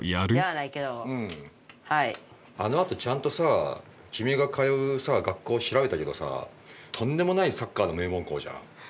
あのあとちゃんとさぁ君が通うさ学校を調べたけどさとんでもないサッカーの名門校じゃん。